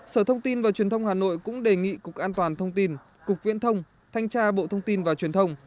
sở thông tin và truyền thông hà nội cũng đề nghị cục an toàn thông tin cục viễn thông thanh tra bộ thông tin và truyền thông